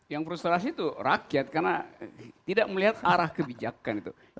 yang frustrasi itu rakyat karena tidak melihat arah kebijakan itu